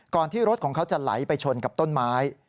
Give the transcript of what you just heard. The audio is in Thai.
ที่รถของเขาจะไหลไปชนกับต้นไม้